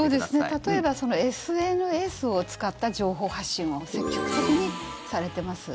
例えばＳＮＳを使った情報発信を積極的にされてます。